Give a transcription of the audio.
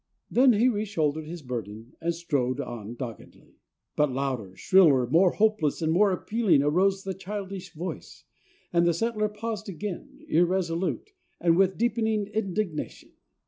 Then he reshouldered his burden and strode on doggedly. But louder, shriller, more hopeless and more appealing, arose the childish voice, and the settler paused again, irresolute, and with deepening indignation.